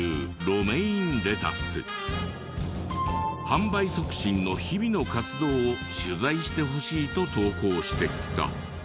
販売促進の日々の活動を取材してほしいと投稿してきた。